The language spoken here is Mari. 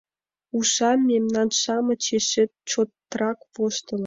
Ужам — мемнан-шамыч эше чотрак воштылыт.